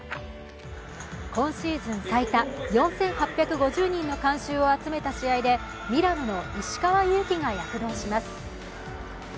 今シーズン最多、４８５０人の観衆を集めた試合でミラノの石川祐希が躍動します。